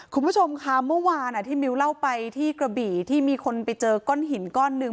คุณผู้ชมค่ะเมื่อวานที่มิ้วเล่าไปที่กระบี่ที่มีคนไปเจอก้อนหินก้อนหนึ่ง